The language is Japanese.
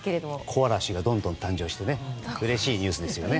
子嵐がどんどん誕生してうれしいニュースですよね。